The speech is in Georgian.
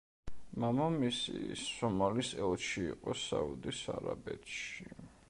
მამამისი სომალის ელჩი იყო საუდის არაბეთში.